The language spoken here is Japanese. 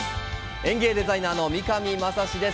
園芸デザイナーの三上真史です。